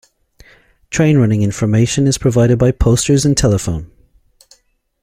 Train running information is provided by posters and telephone.